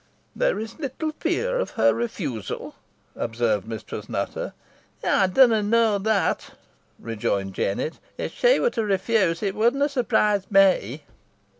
"There is little fear of her refusal," observed Mistress Nutter. "Ey dunna knoa that," rejoined Jennet. "If she were to refuse, it wadna surprise me."